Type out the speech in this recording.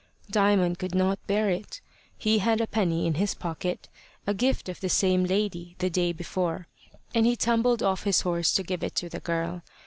Diamond could not bear it. He had a penny in his pocket, a gift of the same lady the day before, and he tumbled off his horse to give it to the girl.